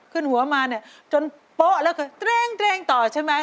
ขึ้นหัวมาเนี่ยจนโป๊ะแล้วก็เกรงต่อใช่ไหม